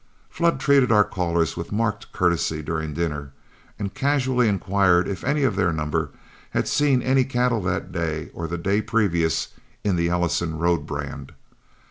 Flood treated our callers with marked courtesy during dinner, and casually inquired if any of their number had seen any cattle that day or the day previous in the Ellison road brand.